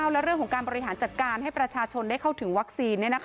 และเรื่องของการบริหารจัดการให้ประชาชนได้เข้าถึงวัคซีน